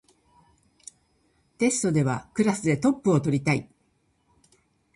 テストではクラスでトップを取りたい